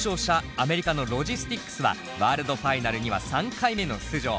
アメリカのＬｏｇｉｓｔｘはワールドファイナルには３回目の出場。